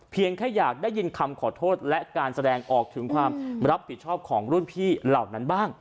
แค่อยากได้ยินคำขอโทษและการแสดงออกถึงความรับผิดชอบของรุ่นพี่เหล่านั้นบ้าง